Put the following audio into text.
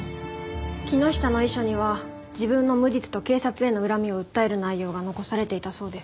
木下の遺書には自分の無実と警察への恨みを訴える内容が残されていたそうです。